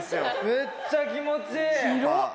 めっちゃ気持ちいい。